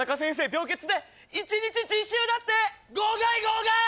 病欠で一日自習だって号外号外